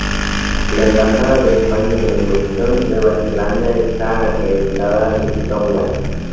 La Embajada de España en Wellington, Nueva Zelanda, está acreditada en Tonga.